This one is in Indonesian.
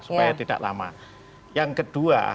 supaya tidak lama yang kedua